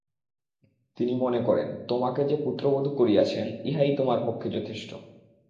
তিনি মনে করেন, তোমাকে যে পুত্রবধূ করিয়াছেন, ইহাই তোমার পক্ষে যথেষ্ট।